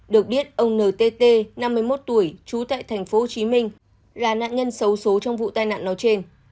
được biết ông ntt năm mươi một tuổi trú tại tp hcm là nạn nhân xấu số trong vụ tai nạn nói trên